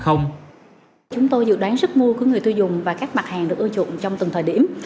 chúng tôi dự đoán sức mua của người tiêu dùng và các mặt hàng được ưa chuộng trong từng thời điểm